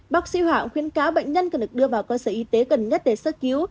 bác sĩ hỏa cũng khuyến cáo bệnh nhân cần được đưa vào cơ sở y tế cần nhất để sức cứu